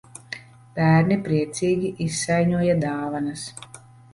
Bērni priecīgi izsaiņoja dāvanas.